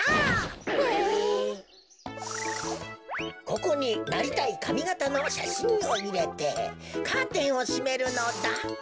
ここになりたいかみがたのしゃしんをいれてカーテンをしめるのだ。